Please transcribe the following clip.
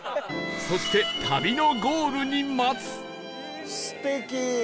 そして旅のゴールに待つ